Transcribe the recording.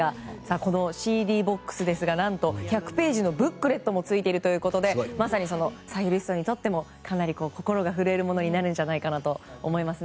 このＣＤボックスですが何と１００ページのブックレットもついているということでまさにサユリストにとってもかなり心が震えるものになるんじゃないかと思いますね。